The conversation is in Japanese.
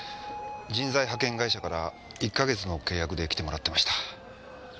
人材派遣会社から１か月の契約で来てもらってました。